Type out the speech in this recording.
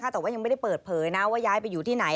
แต่ว่ายังไม่ได้เปิดเผยนะว่าย้ายไปอยู่ที่ไหน